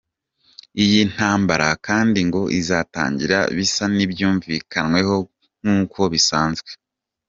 Iyi ntambara kandi ngo izatangira bisa n’ibyumvikanweho nk’uko bisanzwe.